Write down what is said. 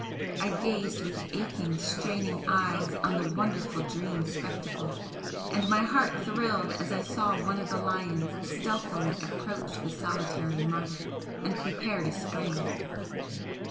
I gazed with aching, straining eyes on the wonderful dream spectacle, and my heart thrilled as I saw one of the lions stealthily approach the solitary martyr and prepare to spring.